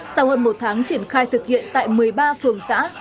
sau hơn một tháng triển khai thực hiện tại một mươi ba phường xã